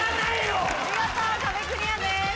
見事壁クリアです。